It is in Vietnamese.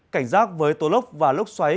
cảnh giác với tố lốc và lốc xoáy